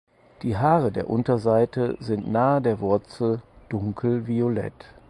Die Haare der Unterseite sind nahe der Wurzel dunkel violett.